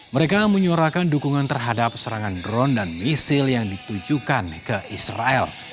mereka menyuarakan dukungan terhadap serangan drone dan misil yang ditujukan ke israel